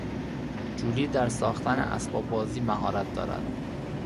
جولی در ساختن اسباب بازی مهارت دارد.